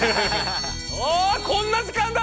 あこんな時間だ！